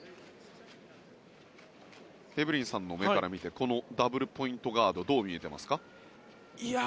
エブリンさんの目から見てこのダブルポイントガードどう見えてますか？